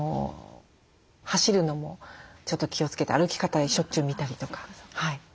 走るのもちょっと気をつけて歩き方をしょっちゅう見たりとか。